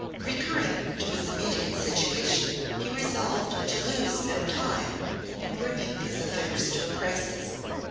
Recurring to his immediate situation, he resolved to lose no time in bringing his affairs to a crisis.